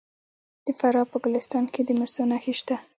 د فراه په ګلستان کې د مسو نښې شته.